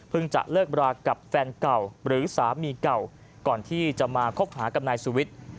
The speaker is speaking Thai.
จะเลิกรากับแฟนเก่าหรือสามีเก่าก่อนที่จะมาคบหากับนายสุวิทย์